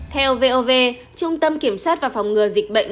theo vov trung tâm kiểm soát và phòng ngừa dịch bệnh